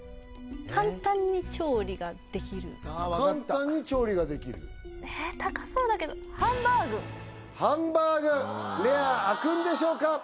簡単に調理ができる簡単に調理ができるええ高そうだけどハンバーグレアあくんでしょうか